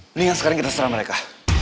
mendingan sekarang kita serang mereka